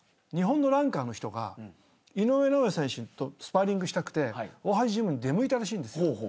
日本のランカーの人が井上尚弥選手とスパーリングしたくて大橋ジムに出向いたらしいんですよ。